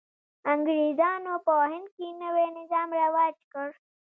انګرېزانو په هند کې نوی نظام رواج کړ.